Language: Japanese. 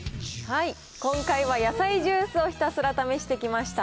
今回は野菜ジュースをひたすら試してきました。